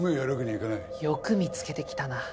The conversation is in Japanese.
よく見つけてきたな。